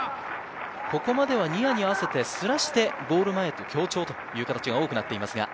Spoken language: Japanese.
ここまではニアに合わせて、すらしてゴール前と強調という形が多くなっています。